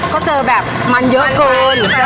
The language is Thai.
ก็เจอแบบมันเยอะเกิน